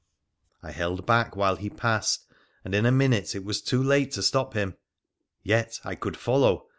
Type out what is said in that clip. I held back while he passed, and in a minute it was too late to stop him. Yet, I could follow